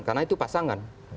karena itu pasangan